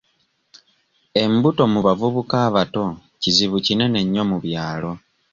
Embuto mu bavubuka abato kizibu kinene nnyo mu byalo.